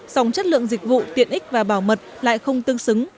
sòng chất lượng dịch vụ tiện ích và bảo mật lại không tương xứng